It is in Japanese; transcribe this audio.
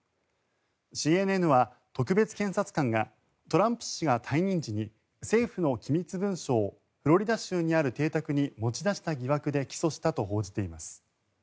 ＣＮＮは特別検察官がトランプ氏が退任時に政府の機密文書をフロリダ州にある邸宅に持ち出した疑惑で起訴したと報じています。